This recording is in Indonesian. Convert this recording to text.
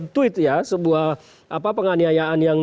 tweet ya sebuah penganiayaan yang